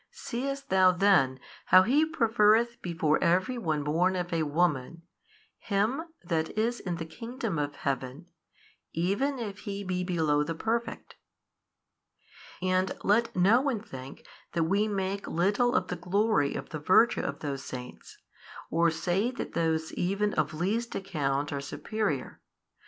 Seest thou then how He preferreth before every one born of a woman him that is in the kingdom of Heaven even if he be below the perfect? And let no one think that we make little of the glory of the virtue of those Saints or say that those even of least account are superior.